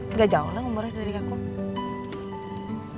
nggak jauh lah umurnya dari aku